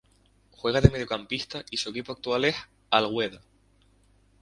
Juega de mediocampista y su equipo actual es el Al-Wehda.